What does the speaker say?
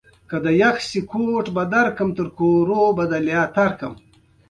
مزارشریف د افغانستان د موسم د بدلون سبب کېږي.